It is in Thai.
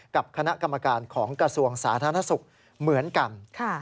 กับคณะกรรมกรของกระทรวงศาสนธรรศุกร์เหมือนกัน